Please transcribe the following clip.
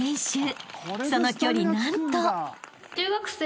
［その距離何と］